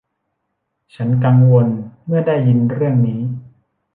ฉันกังวลเมื่อได้ยินเรื่องนี้